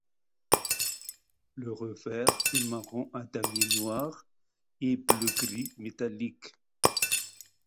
Le revers est marron à damiers noirs et bleu gris métallique.